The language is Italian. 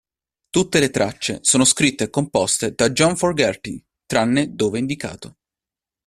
Tutte le tracce sono scritte e composte da John Fogerty tranne dove indicato.